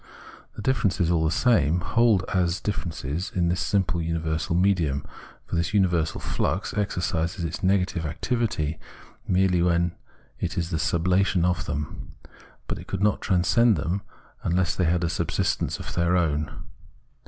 The differences aU the same hold as differences in this simple universal medium ; for this universal flux exercises its negative activity merely when it is the sublation of them ; but it could not transcend them unless they had a subsistence of their own.